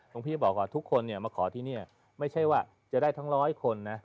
หลวงพี่บอกว่าทุกคนเนี่ยมาขอที่เนี่ยไม่ใช่ว่าจะได้ทั้งร้อยคนนะ